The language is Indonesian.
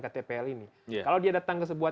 ktpl ini kalau dia datang ke sebuah